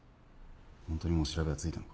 ホントにもう調べはついたのか？